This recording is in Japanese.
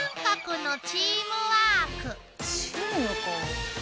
チームか。